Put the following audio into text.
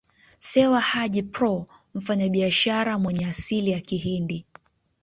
Sewa Haji Proo mfanyabiashara mwenye asili ya Kihindi